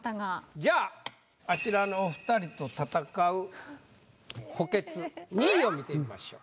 じゃああちらのお２人と戦う補欠２位を見てみましょう。